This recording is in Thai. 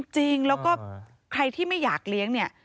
จริงแล้วก็ใครที่ไม่อยากเลี้ยงเนี่ย